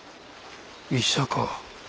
医者か。